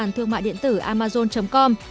hoàn toàn thương mại điện tử amazon com